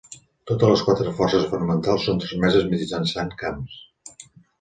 Totes les quatre forces fonamentals són transmeses mitjançant camps.